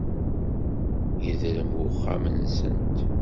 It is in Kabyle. Yedrem uxxam-nsent.